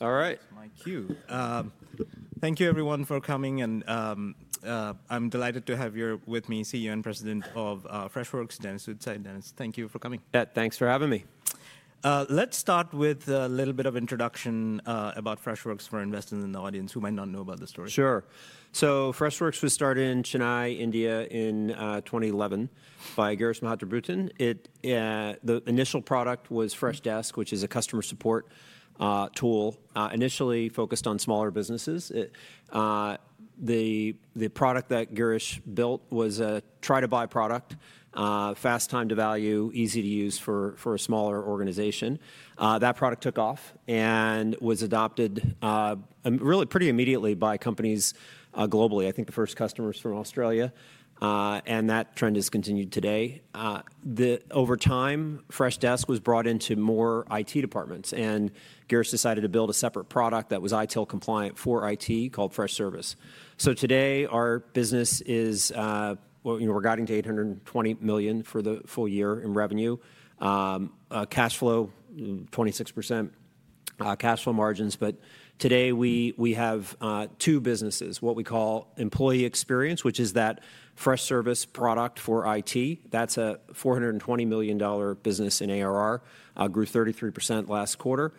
All right. I think that's my cue. All right. Thank you, everyone, for coming. I'm delighted to have you with me, CEO and President of Freshworks, Dennis Woodside. Dennis, thank you for coming. Thanks for having me. Let's start with a little bit of introduction about Freshworks for investors in the audience who might not know about the story. Sure. Freshworks was started in Chennai, India, in 2011 by Girish Mathrubootham. The initial product was Freshdesk, which is a customer support tool, initially focused on smaller businesses. The product that Girish built was a try-to-buy product, fast time to value, easy to use for a smaller organization. That product took off and was adopted really pretty immediately by companies globally. I think the first customers from Australia. That trend has continued today. Over time, Freshdesk was brought into more IT departments. Girish decided to build a separate product that was ITIL compliant for IT called Freshservice. Today, our business is, we're guiding to $820 million for the full year in revenue, cash flow 26%, cash flow margins. Today, we have two businesses, what we call employee experience, which is that Freshservice product for IT. That's a $420 million business in ARR, grew 33% last quarter.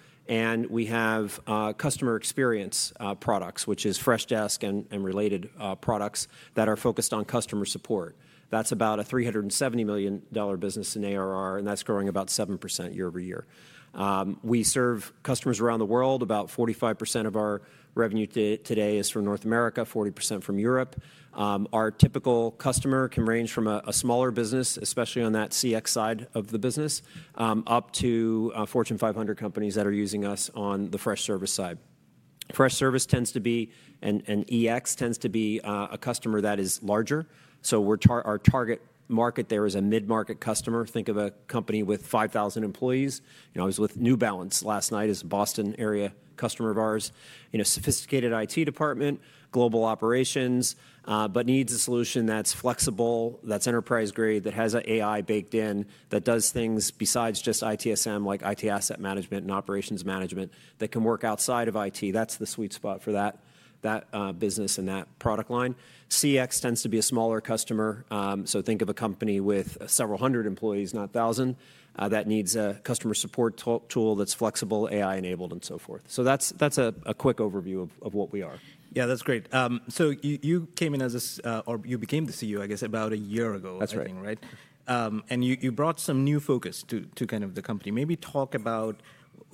We have customer experience products, which is Freshdesk and related products that are focused on customer support. That's about a $370 million business in ARR, and that's growing about 7% year-over-year. We serve customers around the world. About 45% of our revenue today is from North America, 40% from Europe. Our typical customer can range from a smaller business, especially on that CX side of the business, up to Fortune 500 companies that are using us on the Freshservice side. Freshservice tends to be, and EX tends to be a customer that is larger. Our target market there is a mid-market customer. Think of a company with 5,000 employees. I was with New Balance last night, a Boston area customer of ours, in a sophisticated IT department, global operations, but needs a solution that's flexible, that's enterprise grade, that has AI baked in, that does things besides just ITSM, like IT asset management and operations management, that can work outside of IT. That's the sweet spot for that business and that product line. CX tends to be a smaller customer. Think of a company with several hundred employees, not thousand, that needs a customer support tool that's flexible, AI-enabled, and so forth. That's a quick overview of what we are. Yeah, that's great. You came in as a, or you became the CEO, I guess, about a year ago, I think, right? That's right. You brought some new focus to kind of the company. Maybe talk about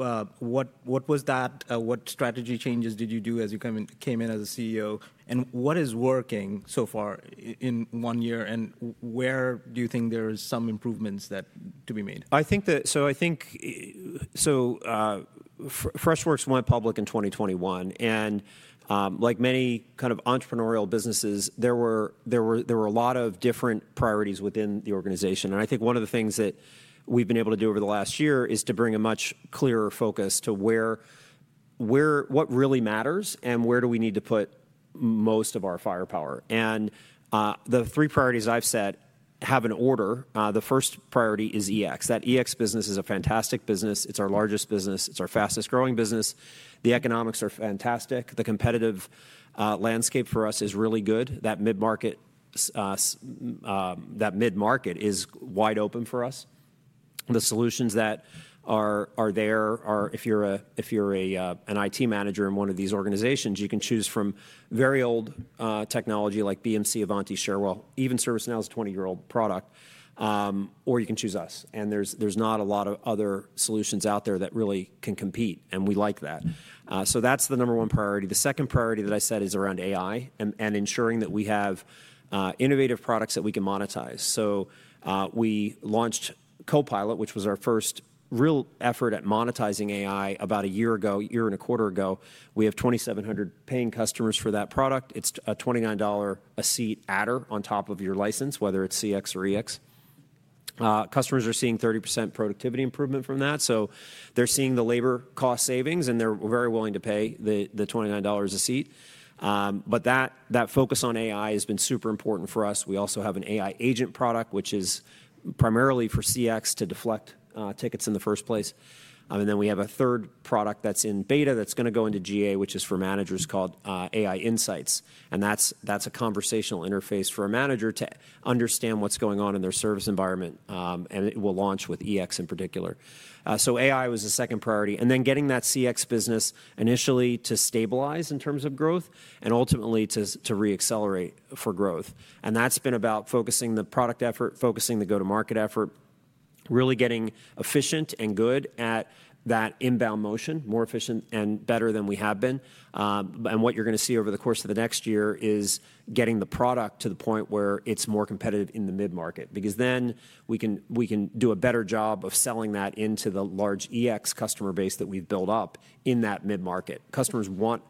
what was that, what strategy changes did you do as you came in as CEO, and what is working so far in one year, and where do you think there are some improvements to be made? I think Freshworks went public in 2021. Like many kind of entrepreneurial businesses, there were a lot of different priorities within the organization. I think one of the things that we've been able to do over the last year is to bring a much clearer focus to what really matters and where do we need to put most of our firepower. The three priorities I've set have an order. The first priority is EX. That EX business is a fantastic business. It's our largest business. It's our fastest growing business. The economics are fantastic. The competitive landscape for us is really good. That mid-market is wide open for us. The solutions that are there, if you're an IT manager in one of these organizations, you can choose from very old technology like BMC, Ivanti, Cherwell, even ServiceNow is a 20-year-old product, or you can choose us. There is not a lot of other solutions out there that really can compete, and we like that. That is the number one priority. The second priority that I said is around AI and ensuring that we have innovative products that we can monetize. We launched Copilot, which was our first real effort at monetizing AI about a year ago, a year and a quarter ago. We have 2,700 paying customers for that product. It is a $29 a seat add-on on top of your license, whether it is CX or EX. Customers are seeing 30% productivity improvement from that. They are seeing the labor cost savings, and they are very willing to pay the $29 a seat. That focus on AI has been super important for us. We also have an AI Agent product, which is primarily for CX to deflect tickets in the first place. We have a third product that's in beta that's going to go into GA, which is for managers called AI Insights. That's a conversational interface for a manager to understand what's going on in their service environment. It will launch with EX in particular. AI was the second priority. Getting that CX business initially to stabilize in terms of growth and ultimately to re-accelerate for growth has been about focusing the product effort, focusing the go-to-market effort, really getting efficient and good at that inbound motion, more efficient and better than we have been. What you're going to see over the course of the next year is getting the product to the point where it's more competitive in the mid-market. Because then we can do a better job of selling that into the large EX customer base that we've built up in that mid-market. Customers want,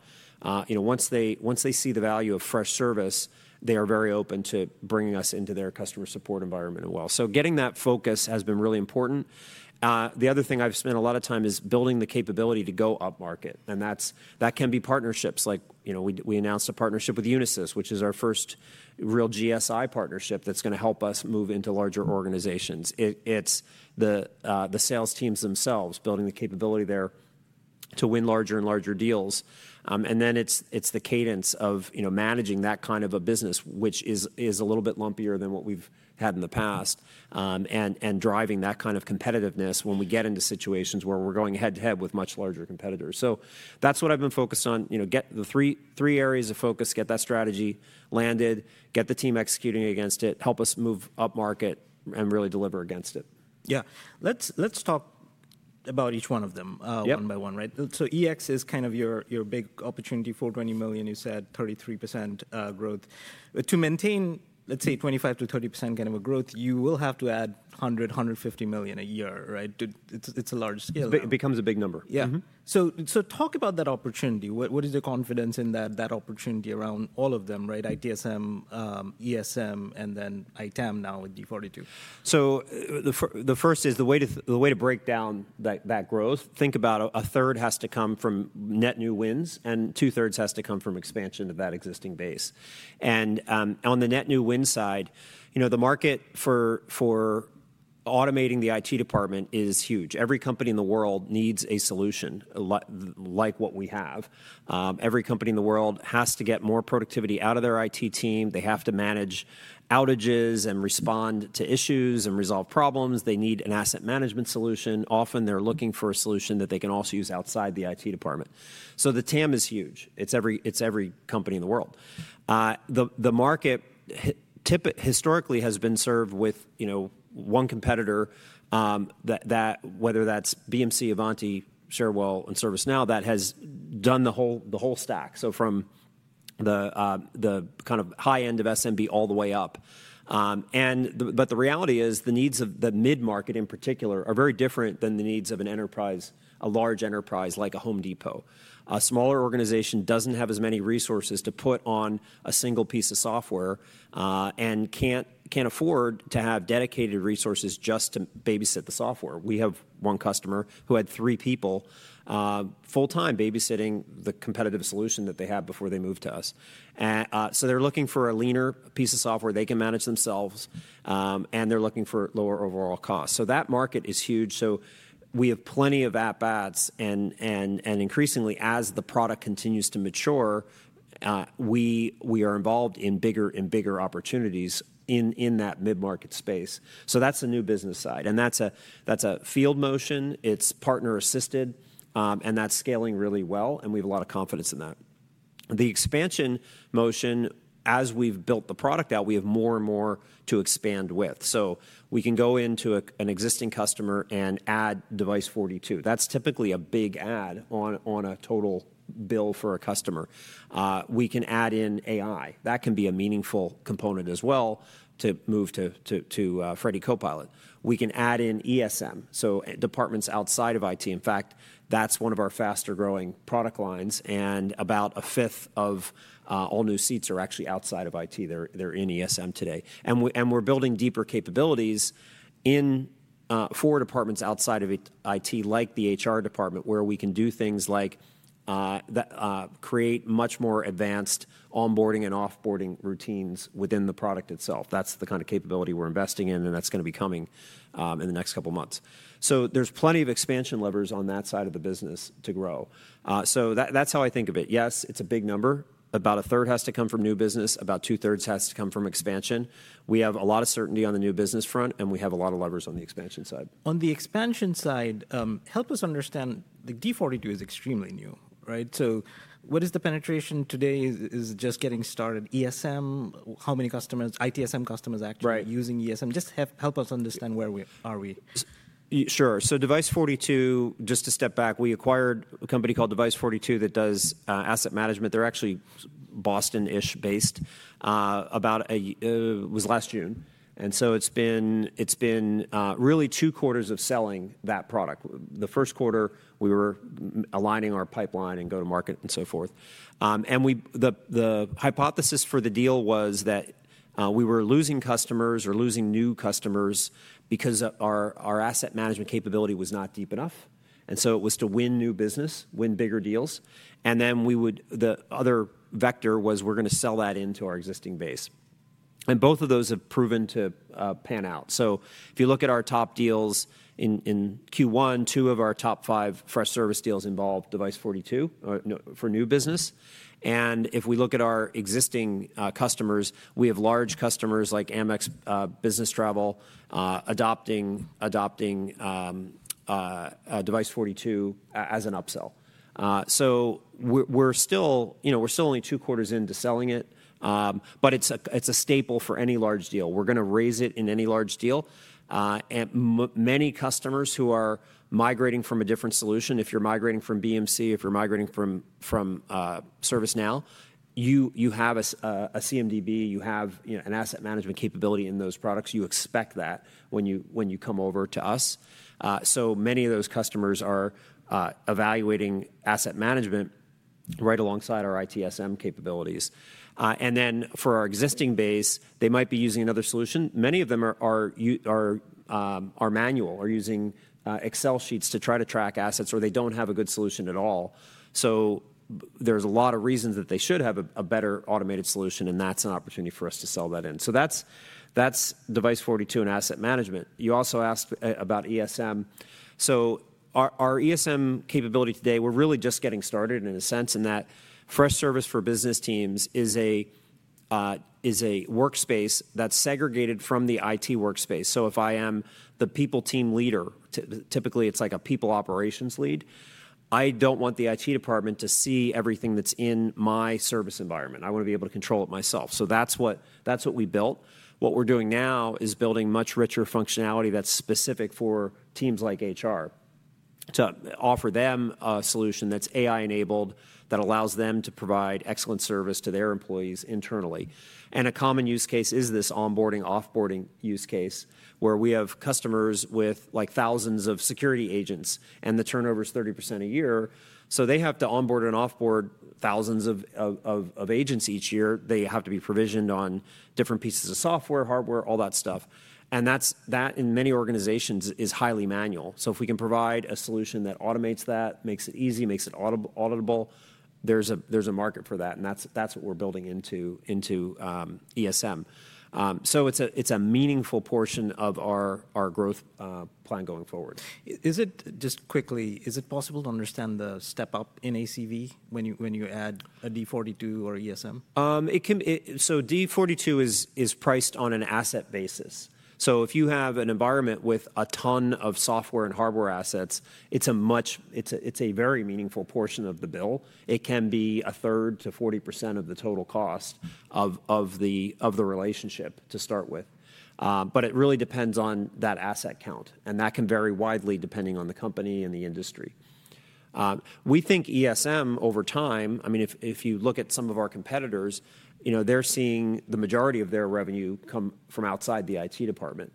once they see the value of Freshservice, they are very open to bringing us into their customer support environment as well. Getting that focus has been really important. The other thing I've spent a lot of time is building the capability to go upmarket. That can be partnerships. Like we announced a partnership with Unisys, which is our first real GSI partnership that's going to help us move into larger organizations. It's the sales teams themselves building the capability there to win larger and larger deals. It's the cadence of managing that kind of a business, which is a little bit lumpier than what we've had in the past, and driving that kind of competitiveness when we get into situations where we're going head-to-head with much larger competitors. That's what I've been focused on, get the three areas of focus, get that strategy landed, get the team executing against it, help us move upmarket, and really deliver against it. Yeah. Let's talk about each one of them one by one, right? So EX is kind of your big opportunity, $420 million, you said, 33% growth. To maintain, let's say, 25%-30% kind of a growth, you will have to add $100-$150 million a year, right? It's a large scale. It becomes a big number. Yeah. So talk about that opportunity. What is the confidence in that opportunity around all of them, right? ITSM, ESM, and then ITAM now with Device42. The first is the way to break down that growth. Think about a third has to come from net new wins, and two-thirds has to come from expansion of that existing base. On the net new win side, the market for automating the IT department is huge. Every company in the world needs a solution like what we have. Every company in the world has to get more productivity out of their IT team. They have to manage outages and respond to issues and resolve problems. They need an asset management solution. Often, they're looking for a solution that they can also use outside the IT department. The TAM is huge. It's every company in the world. The market historically has been served with one competitor, whether that's BMC, Ivanti, Cherwell, and ServiceNow, that has done the whole stack, from the kind of high end of SMB all the way up. The reality is the needs of the mid-market in particular are very different than the needs of an enterprise, a large enterprise like a Home Depot. A smaller organization doesn't have as many resources to put on a single piece of software and can't afford to have dedicated resources just to babysit the software. We have one customer who had three people full-time babysitting the competitive solution that they had before they moved to us. They're looking for a leaner piece of software they can manage themselves, and they're looking for lower overall costs. That market is huge. We have plenty of app ads. Increasingly, as the product continues to mature, we are involved in bigger and bigger opportunities in that mid-market space. That is the new business side. That is a field motion. It is partner-assisted, and that is scaling really well, and we have a lot of confidence in that. The expansion motion, as we have built the product out, we have more and more to expand with. We can go into an existing customer and add Device42. That is typically a big add on a total bill for a customer. We can add in AI. That can be a meaningful component as well to move to Freddy Copilot. We can add in ESM, so departments outside of IT. In fact, that is one of our faster-growing product lines, and about a fifth of all new seats are actually outside of IT. They are in ESM today. We're building deeper capabilities in four departments outside of IT, like the HR department, where we can do things like create much more advanced onboarding and offboarding routines within the product itself. That's the kind of capability we're investing in, and that's going to be coming in the next couple of months. There are plenty of expansion levers on that side of the business to grow. That's how I think of it. Yes, it's a big number. About a third has to come from new business. About two-thirds has to come from expansion. We have a lot of certainty on the new business front, and we have a lot of levers on the expansion side. On the expansion side, help us understand, the Device42 is extremely new, right? What is the penetration today? Is it just getting started? ESM, how many customers, ITSM customers actually using ESM? Just help us understand where are we. Sure. Device42, just to step back, we acquired a company called Device42 that does asset management. They're actually Boston-ish based. It was last June. It has been really two quarters of selling that product. The first quarter, we were aligning our pipeline and go-to-market and so forth. The hypothesis for the deal was that we were losing customers or losing new customers because our asset management capability was not deep enough. It was to win new business, win bigger deals. The other vector was we were going to sell that into our existing base. Both of those have proven to pan out. If you look at our top deals in Q1, two of our top five Freshservice deals involved Device42 for new business. If we look at our existing customers, we have large customers like Amex Business Travel adopting Device42 as an upsell. We are still only two quarters into selling it, but it is a staple for any large deal. We are going to raise it in any large deal. Many customers who are migrating from a different solution, if you are migrating from BMC, if you are migrating from ServiceNow, you have a CMDB, you have an asset management capability in those products. You expect that when you come over to us. Many of those customers are evaluating asset management right alongside our ITSM capabilities. For our existing base, they might be using another solution. Many of them are manual, are using Excel sheets to try to track assets, or they do not have a good solution at all. There's a lot of reasons that they should have a better automated solution, and that's an opportunity for us to sell that in. That's Device42 and asset management. You also asked about ESM. Our ESM capability today, we're really just getting started in a sense, and that Freshservice for business teams is a workspace that's segregated from the IT workspace. If I am the people team leader, typically it's like a people operations lead, I don't want the IT department to see everything that's in my service environment. I want to be able to control it myself. That's what we built. What we're doing now is building much richer functionality that's specific for teams like HR to offer them a solution that's AI-enabled that allows them to provide excellent service to their employees internally. A common use case is this onboarding, offboarding use case, where we have customers with thousands of security agents, and the turnover is 30% a year. They have to onboard and offboard thousands of agents each year. They have to be provisioned on different pieces of software, hardware, all that stuff. That in many organizations is highly manual. If we can provide a solution that automates that, makes it easy, makes it auditable, there is a market for that. That is what we are building into ESM. It is a meaningful portion of our growth plan going forward. Just quickly, is it possible to understand the step-up in ACV when you add a D42 or ESM? D42 is priced on an asset basis. If you have an environment with a ton of software and hardware assets, it's a very meaningful portion of the bill. It can be a third to 40% of the total cost of the relationship to start with. It really depends on that asset count. That can vary widely depending on the company and the industry. We think ESM over time, I mean, if you look at some of our competitors, they're seeing the majority of their revenue come from outside the IT department.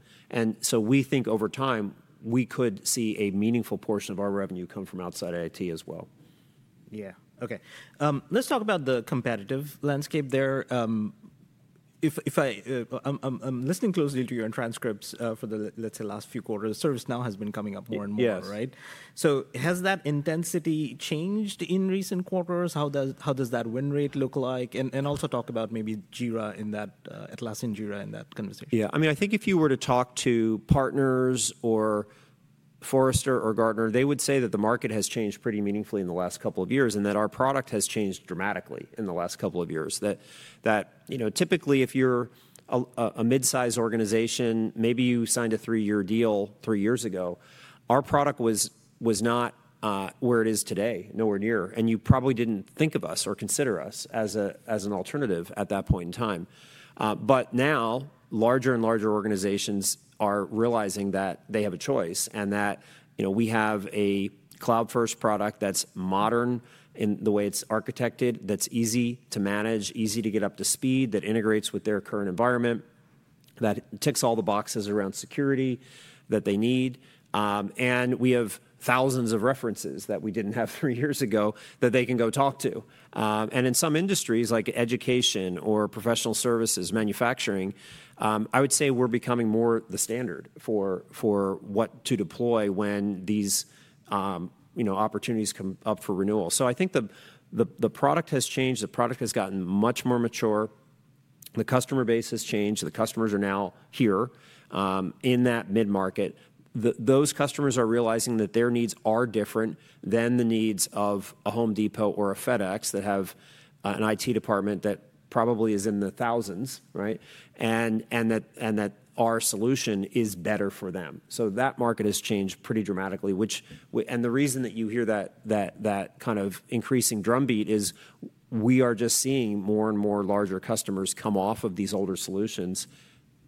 We think over time, we could see a meaningful portion of our revenue come from outside IT as well. Yeah. Okay. Let's talk about the competitive landscape there. I'm listening closely to your transcripts for the, let's say, last few quarters. ServiceNow has been coming up more and more, right? Has that intensity changed in recent quarters? How does that win rate look like? Also talk about maybe Jira in that, Atlassian Jira in that conversation. Yeah. I mean, I think if you were to talk to partners or Forrester or Gartner, they would say that the market has changed pretty meaningfully in the last couple of years and that our product has changed dramatically in the last couple of years. Typically, if you're a mid-sized organization, maybe you signed a three-year deal three years ago, our product was not where it is today, nowhere near. You probably didn't think of us or consider us as an alternative at that point in time. Now, larger and larger organizations are realizing that they have a choice and that we have a cloud-first product that's modern in the way it's architected, that's easy to manage, easy to get up to speed, that integrates with their current environment, that ticks all the boxes around security that they need. We have thousands of references that we did not have three years ago that they can go talk to. In some industries like education or professional services, manufacturing, I would say we are becoming more the standard for what to deploy when these opportunities come up for renewal. I think the product has changed. The product has gotten much more mature. The customer base has changed. The customers are now here in that mid-market. Those customers are realizing that their needs are different than the needs of a Home Depot or a FedEx that have an IT department that probably is in the thousands, right? Our solution is better for them. That market has changed pretty dramatically. The reason that you hear that kind of increasing drumbeat is we are just seeing more and more larger customers come off of these older solutions,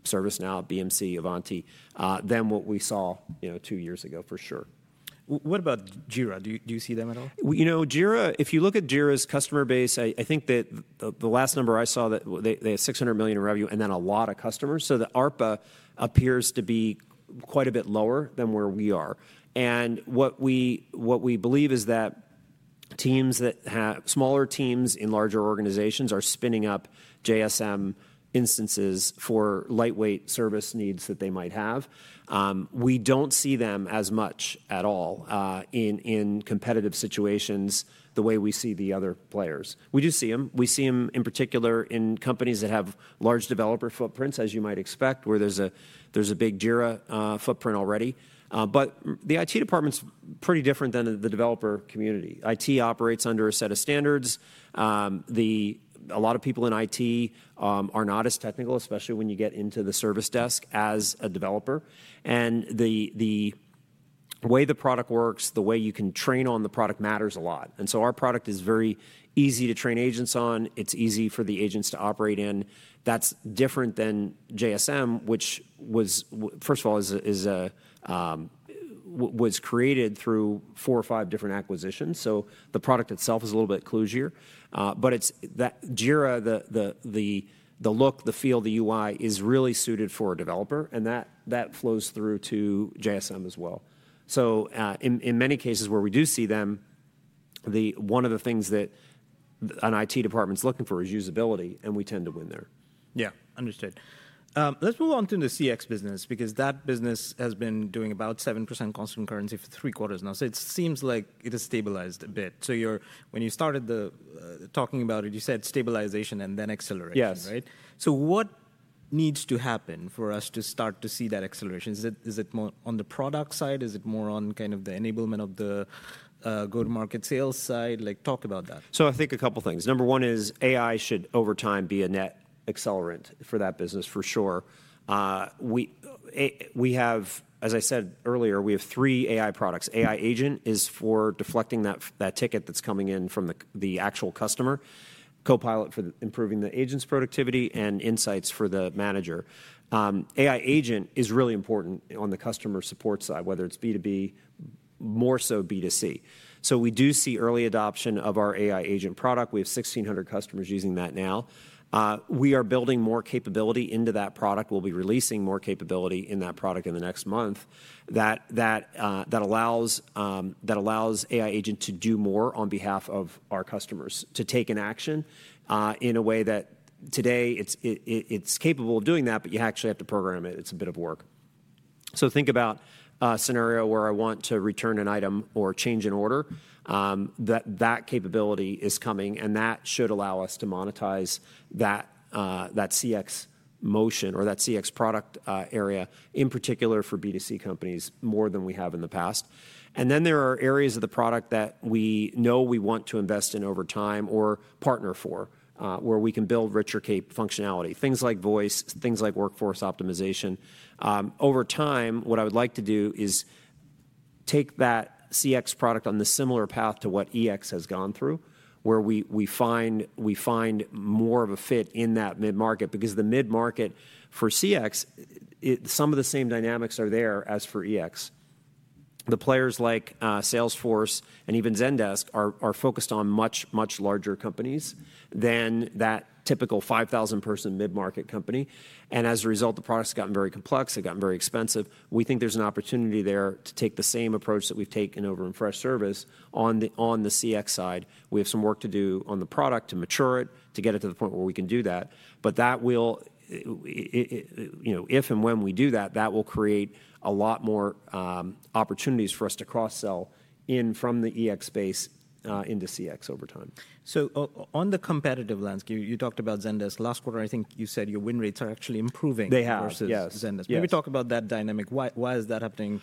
ServiceNow, BMC, Ivanti, than what we saw two years ago, for sure. What about Jira? Do you see them at all? You know, Jira, if you look at Jira's customer base, I think that the last number I saw, they have $600 million in revenue and then a lot of customers. So the ARPA appears to be quite a bit lower than where we are. What we believe is that smaller teams in larger organizations are spinning up JSM instances for lightweight service needs that they might have. We do not see them as much at all in competitive situations the way we see the other players. We do see them. We see them in particular in companies that have large developer footprints, as you might expect, where there is a big Jira footprint already. The IT department is pretty different than the developer community. IT operates under a set of standards. A lot of people in IT are not as technical, especially when you get into the service desk as a developer. The way the product works, the way you can train on the product matters a lot. Our product is very easy to train agents on. It's easy for the agents to operate in. That's different than JSM, which, first of all, was created through four or five different acquisitions. The product itself is a little bit clunkier. Jira, the look, the feel, the UI is really suited for a developer, and that flows through to JSM as well. In many cases where we do see them, one of the things that an IT department's looking for is usability, and we tend to win there. Yeah. Understood. Let's move on to the CX business because that business has been doing about 7% cost concurrency for three quarters now. It seems like it has stabilized a bit. When you started talking about it, you said stabilization and then acceleration, right? Yes. What needs to happen for us to start to see that acceleration? Is it more on the product side? Is it more on kind of the enablement of the go-to-market sales side? Talk about that. I think a couple of things. Number one is AI should over time be a net accelerant for that business, for sure. As I said earlier, we have three AI products. AI Agent is for deflecting that ticket that's coming in from the actual customer. Copilot for improving the agent's productivity and insights for the manager. AI Agent is really important on the customer support side, whether it's B2B, more so B2C. We do see early adoption of our AI Agent product. We have 1,600 customers using that now. We are building more capability into that product. We'll be releasing more capability in that product in the next month that allows AI Agent to do more on behalf of our customers, to take an action in a way that today it's capable of doing that, but you actually have to program it. It's a bit of work. Think about a scenario where I want to return an item or change an order. That capability is coming, and that should allow us to monetize that CX motion or that CX product area, in particular for B2C companies, more than we have in the past. There are areas of the product that we know we want to invest in over time or partner for, where we can build richer functionality, things like voice, things like workforce optimization. Over time, what I would like to do is take that CX product on the similar path to what EX has gone through, where we find more of a fit in that mid-market because the mid-market for CX, some of the same dynamics are there as for EX. The players like Salesforce and even Zendesk are focused on much, much larger companies than that typical 5,000-person mid-market company. As a result, the product's gotten very complex. It has gotten very expensive. We think there's an opportunity there to take the same approach that we've taken over in Freshservice on the CX side. We have some work to do on the product to mature it, to get it to the point where we can do that. If and when we do that, that will create a lot more opportunities for us to cross-sell in from the EX space into CX over time. On the competitive landscape, you talked about Zendesk. Last quarter, I think you said your win rates are actually improving versus Zendesk. They have, yes. Maybe talk about that dynamic. Why is that happening?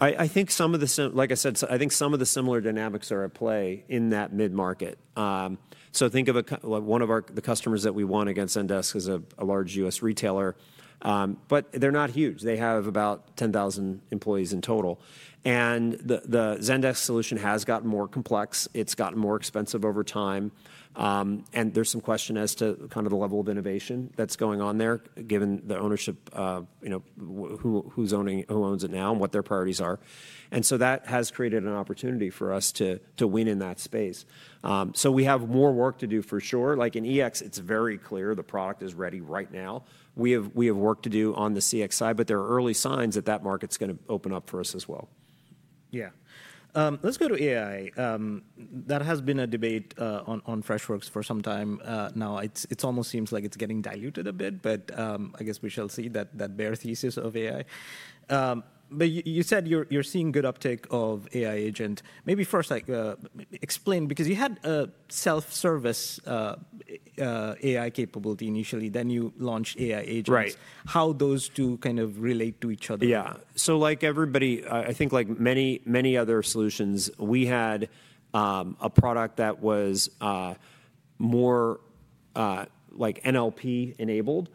I think some of the, like I said, I think some of the similar dynamics are at play in that mid-market. Think of one of the customers that we won against Zendesk. It is a large U.S. retailer, but they are not huge. They have about 10,000 employees in total. The Zendesk solution has gotten more complex. It has gotten more expensive over time. There is some question as to the level of innovation that is going on there, given the ownership, who owns it now and what their priorities are. That has created an opportunity for us to win in that space. We have more work to do for sure. Like in EX, it is very clear the product is ready right now. We have work to do on the CX side, but there are early signs that that market's going to open up for us as well. Yeah. Let's go to AI. That has been a debate on Freshworks for some time now. It almost seems like it's getting diluted a bit, but I guess we shall see that bare thesis of AI. You said you're seeing good uptake of AI Agent. Maybe first explain, because you had a self-service AI capability initially, then you launched AI Agent. How do those two kind of relate to each other? Yeah. Like everybody, I think like many other solutions, we had a product that was more like NLP-enabled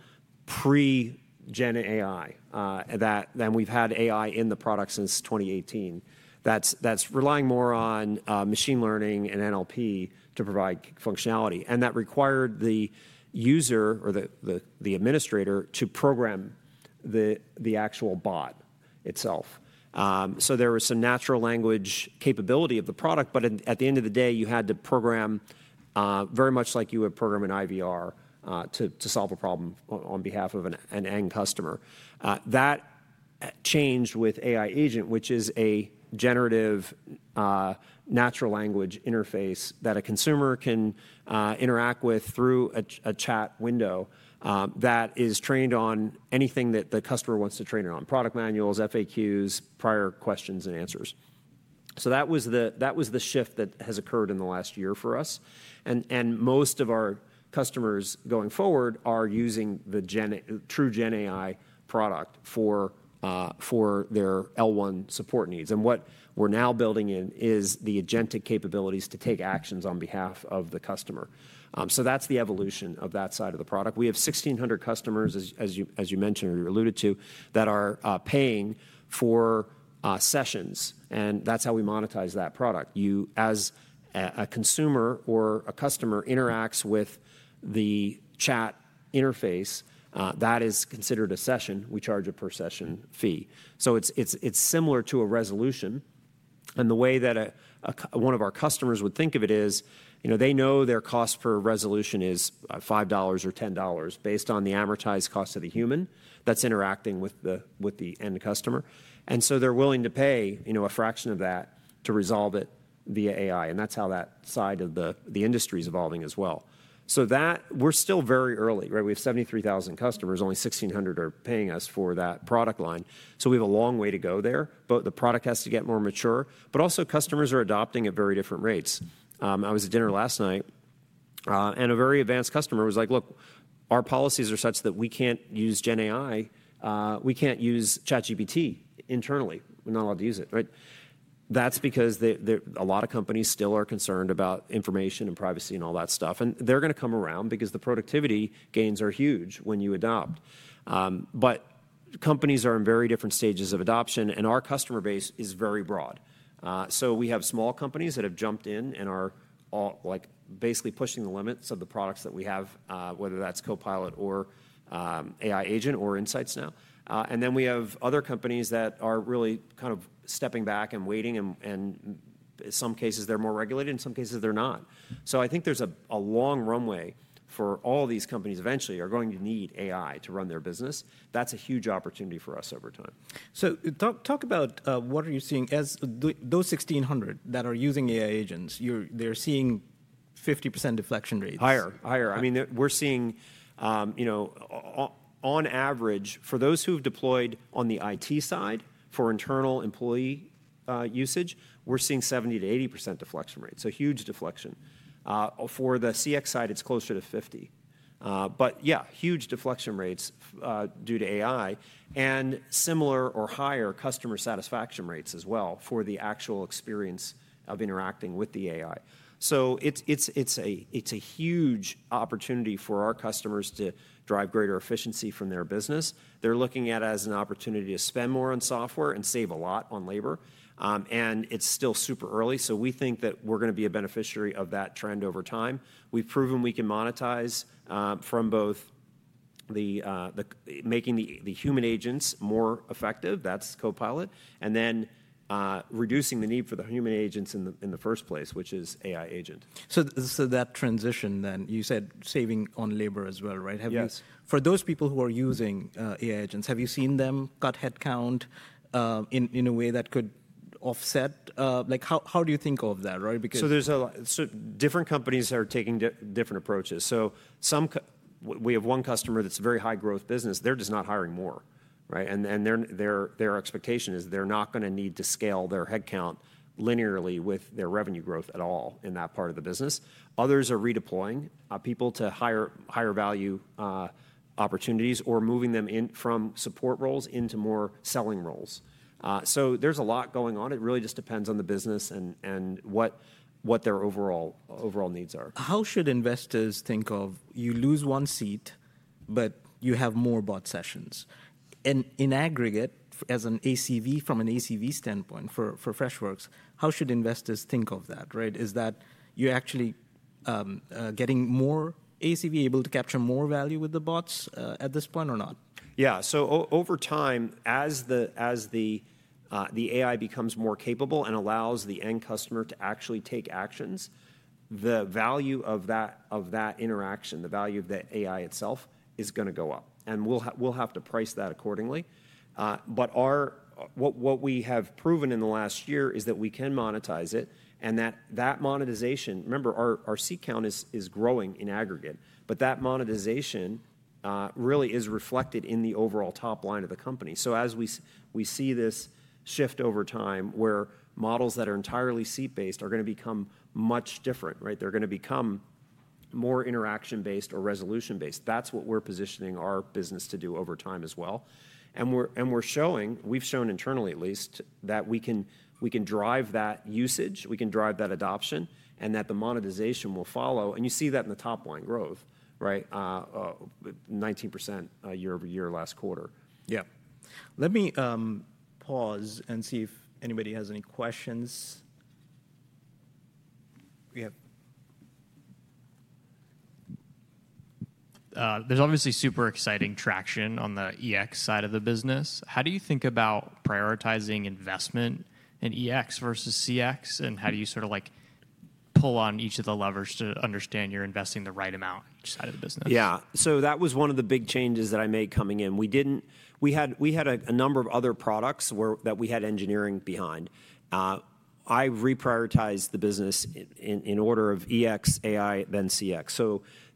pre-Gen AI than we've had AI in the product since 2018. That's relying more on machine learning and NLP to provide functionality. That required the user or the administrator to program the actual bot itself. There was some natural language capability of the product, but at the end of the day, you had to program very much like you would program an IVR to solve a problem on behalf of an end customer. That changed with AI Agent, which is a generative natural language interface that a consumer can interact with through a chat window that is trained on anything that the customer wants to train it on: product manuals, FAQs, prior questions and answers. That was the shift that has occurred in the last year for us. Most of our customers going forward are using the true Gen AI product for their L1 support needs. What we are now building in is the agentic capabilities to take actions on behalf of the customer. That is the evolution of that side of the product. We have 1,600 customers, as you mentioned or you alluded to, that are paying for sessions. That is how we monetize that product. As a consumer or a customer interacts with the chat interface, that is considered a session. We charge a per-session fee. It is similar to a resolution. The way that one of our customers would think of it is they know their cost per resolution is $5 or $10 based on the amortized cost of the human that is interacting with the end customer. They are willing to pay a fraction of that to resolve it via AI. That is how that side of the industry is evolving as well. We are still very early, right? We have 73,000 customers. Only 1,600 are paying us for that product line. We have a long way to go there. The product has to get more mature. Also, customers are adopting at very different rates. I was at dinner last night, and a very advanced customer was like, "Look, our policies are such that we cannot use Gen AI. We cannot use ChatGPT internally. We are not allowed to use it, right?" That is because a lot of companies still are concerned about information and privacy and all that stuff. They are going to come around because the productivity gains are huge when you adopt. Companies are in very different stages of adoption, and our customer base is very broad. We have small companies that have jumped in and are basically pushing the limits of the products that we have, whether that's Copilot or AI Agent or Insights now. Then we have other companies that are really kind of stepping back and waiting. In some cases, they're more regulated. In some cases, they're not. I think there's a long runway for all these companies eventually that are going to need AI to run their business. That's a huge opportunity for us over time. Talk about what are you seeing as those 1,600 that are using AI Agents, they're seeing 50% deflection rates. Higher. I mean, we're seeing on average, for those who have deployed on the IT side for internal employee usage, we're seeing 70%-80% deflection rate. Huge deflection. For the CX side, it's closer to 50%. Yeah, huge deflection rates due to AI and similar or higher customer satisfaction rates as well for the actual experience of interacting with the AI. It's a huge opportunity for our customers to drive greater efficiency from their business. They're looking at it as an opportunity to spend more on software and save a lot on labor. It's still super early. We think that we're going to be a beneficiary of that trend over time. We've proven we can monetize from both making the human agents more effective, that's Copilot, and then reducing the need for the human agents in the first place, which is AI Agent. That transition then, you said saving on labor as well, right? Yes. For those people who are using AI Agents, have you seen them cut headcount in a way that could offset? How do you think of that, right? Different companies are taking different approaches. We have one customer that's a very high-growth business. They're just not hiring more, right? Their expectation is they're not going to need to scale their headcount linearly with their revenue growth at all in that part of the business. Others are redeploying people to higher value opportunities or moving them in from support roles into more selling roles. There's a lot going on. It really just depends on the business and what their overall needs are. How should investors think if you lose one seat, but you have more bot sessions? In aggregate, from an ACV standpoint for Freshworks, how should investors think of that, right? Is that you're actually getting more ACV, able to capture more value with the bots at this point or not? Yeah. Over time, as the AI becomes more capable and allows the end customer to actually take actions, the value of that interaction, the value of the AI itself is going to go up. We will have to price that accordingly. What we have proven in the last year is that we can monetize it. That monetization, remember, our seat count is growing in aggregate. That monetization really is reflected in the overall top line of the company. As we see this shift over time where models that are entirely seat-based are going to become much different, right? They are going to become more interaction-based or resolution-based. That is what we are positioning our business to do over time as well. We have shown internally, at least, that we can drive that usage, we can drive that adoption, and that the monetization will follow. You see that in the top line growth, right? 19% year over year last quarter. Yeah. Let me pause and see if anybody has any questions. We have. There's obviously super exciting traction on the EX side of the business. How do you think about prioritizing investment in EX versus CX? How do you sort of pull on each of the levers to understand you're investing the right amount each side of the business? Yeah. That was one of the big changes that I made coming in. We had a number of other products that we had engineering behind. I reprioritized the business in order of EX, AI, then CX.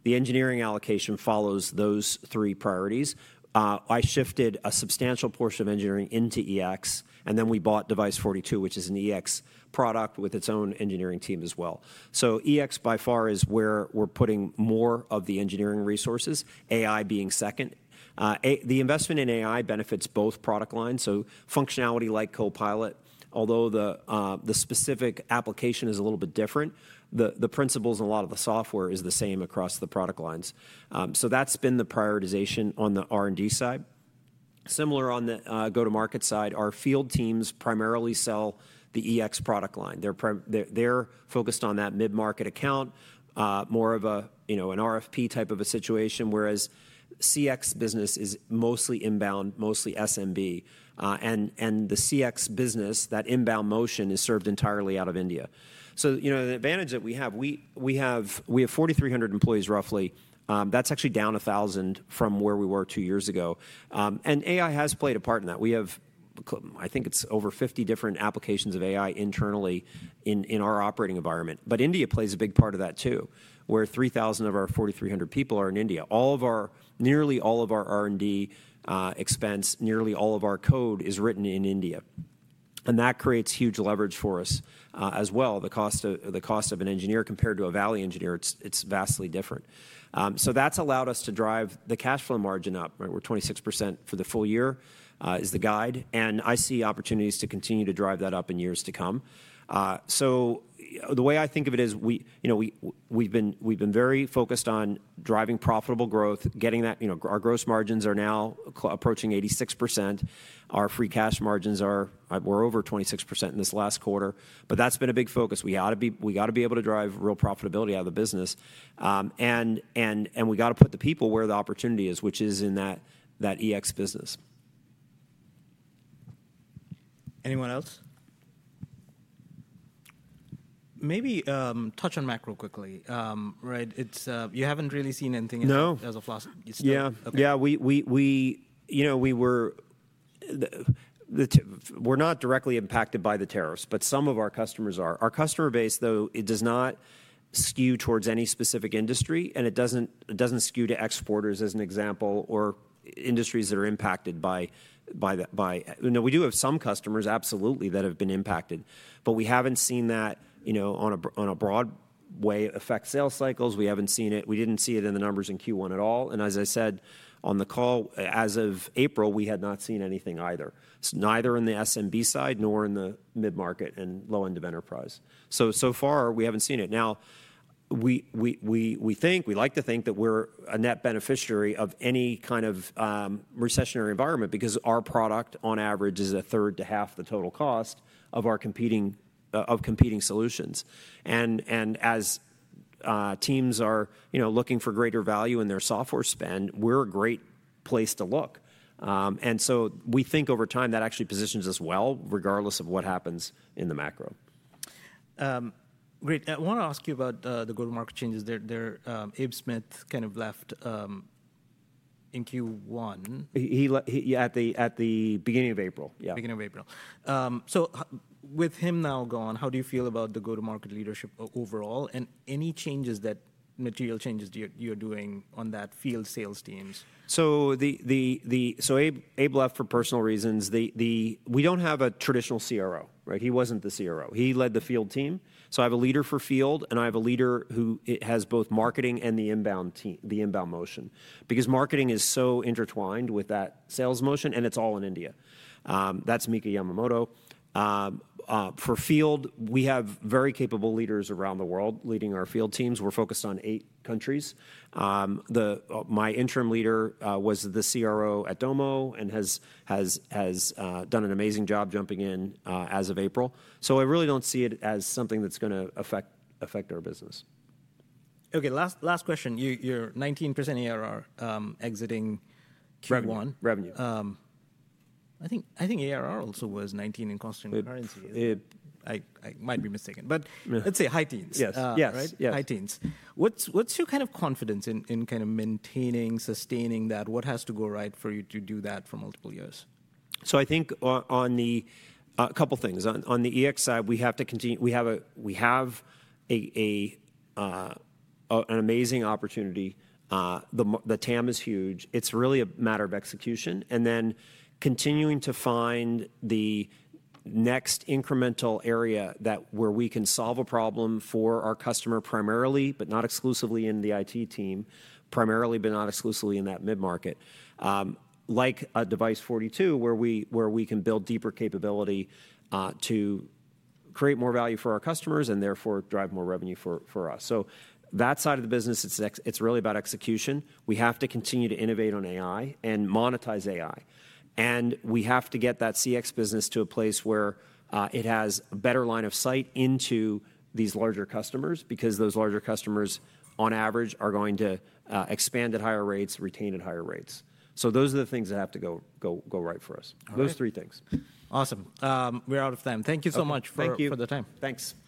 The engineering allocation follows those three priorities. I shifted a substantial portion of engineering into EX. Then we bought Device42, which is an EX product with its own engineering team as well. EX by far is where we're putting more of the engineering resources, AI being second. The investment in AI benefits both product lines. Functionality like Copilot, although the specific application is a little bit different, the principles and a lot of the software is the same across the product lines. That has been the prioritization on the R&D side. Similar on the go-to-market side, our field teams primarily sell the EX product line. They're focused on that mid-market account, more of an RFP type of a situation, whereas CX business is mostly inbound, mostly SMB. The CX business, that inbound motion is served entirely out of India. The advantage that we have, we have 4,300 employees roughly. That's actually down 1,000 from where we were two years ago. AI has played a part in that. We have, I think it's over 50 different applications of AI internally in our operating environment. India plays a big part of that too, where 3,000 of our 4,300 people are in India. Nearly all of our R&D expense, nearly all of our code is written in India. That creates huge leverage for us as well. The cost of an engineer compared to a Valley engineer, it's vastly different. That's allowed us to drive the cash flow margin up. We're 26% for the full year is the guide. I see opportunities to continue to drive that up in years to come. The way I think of it is we've been very focused on driving profitable growth, getting that our gross margins are now approaching 86%. Our free cash margins are we're over 26% in this last quarter. That's been a big focus. We got to be able to drive real profitability out of the business. We got to put the people where the opportunity is, which is in that EX business. Anyone else? Maybe touch on Mac real quickly, right? You haven't really seen anything else as of last year. Yeah. Yeah. We were not directly impacted by the tariffs, but some of our customers are. Our customer base, though, it does not skew towards any specific industry. And it does not skew to exporters as an example or industries that are impacted by we do have some customers, absolutely, that have been impacted. But we have not seen that on a broad way affect sales cycles. We have not seen it. We did not see it in the numbers in Q1 at all. As I said on the call, as of April, we had not seen anything either. Neither in the SMB side nor in the mid-market and low-end of enterprise. So far, we have not seen it. Now, we think, we like to think that we are a net beneficiary of any kind of recessionary environment because our product on average is a third to half the total cost of our competing solutions. As teams are looking for greater value in their software spend, we're a great place to look. We think over time that actually positions us well regardless of what happens in the macro. Great. I want to ask you about the go-to-market changes. Ian Tickle kind of left in Q1. At the beginning of April, yeah. Beginning of April. With him now gone, how do you feel about the go-to-market leadership overall and any material changes you're doing on that field sales teams? Abe left for personal reasons. We don't have a traditional CRO, right? He wasn't the CRO. He led the field team. I have a leader for field, and I have a leader who has both marketing and the inbound motion because marketing is so intertwined with that sales motion, and it's all in India. That's Mika Yamamoto. For field, we have very capable leaders around the world leading our field teams. We're focused on eight countries. My interim leader was the CRO at Domo and has done an amazing job jumping in as of April. I really don't see it as something that's going to affect our business. Okay. Last question. You're 19% ARR exiting Q1. Revenue. I think ARR also was 19 in constant currency. I might be mistaken. But let's say high teens. Yes. High teens. What's your kind of confidence in kind of maintaining, sustaining that? What has to go right for you to do that for multiple years? I think on the couple of things. On the EX side, we have an amazing opportunity. The TAM is huge. It's really a matter of execution. Then continuing to find the next incremental area where we can solve a problem for our customer primarily, but not exclusively in the IT team, primarily, but not exclusively in that mid-market. Like a Device42, where we can build deeper capability to create more value for our customers and therefore drive more revenue for us. That side of the business, it's really about execution. We have to continue to innovate on AI and monetize AI. We have to get that CX business to a place where it has a better line of sight into these larger customers because those larger customers, on average, are going to expand at higher rates, retain at higher rates. Those are the things that have to go right for us. Those three things. Awesome. We're out of time. Thank you so much for the time. Thank you. Thanks.